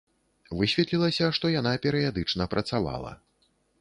Высветлілася, што яна перыядычна працавала.